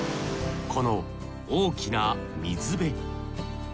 この大きな水辺。